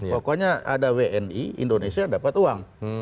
pokoknya ada wni indonesia dapat uang